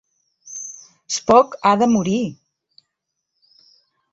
Spock ha de morir!